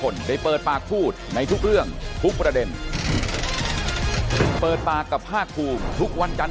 และกับผู้ว่า